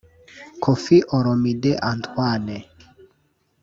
Koffi Olomidé Antoine